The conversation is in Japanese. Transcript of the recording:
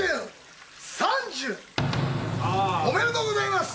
傘寿おめでとうございます！